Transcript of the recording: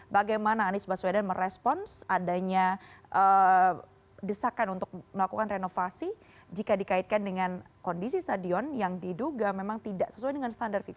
bagaimana anies baswedan merespons adanya desakan untuk melakukan renovasi jika dikaitkan dengan kondisi stadion yang diduga memang tidak sesuai dengan standar fifa